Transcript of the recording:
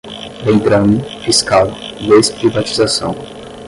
vendrame, fiscal, desprivatização